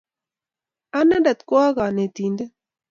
Anendet ko a kanetindet.